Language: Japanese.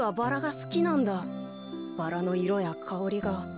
バラのいろやかおりが。